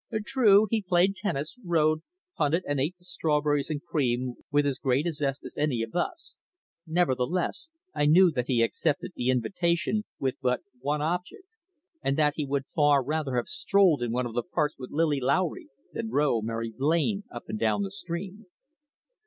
True, he played tennis, rowed, punted and ate the strawberries and cream with as great a zest as any of us; nevertheless, I knew that he accepted the invitation with but one object, and that he would far rather have strolled in one of the parks with Lily Lowry than row Mary Blain up and down the stream.